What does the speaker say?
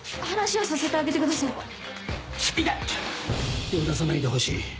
話をさせてあげてください。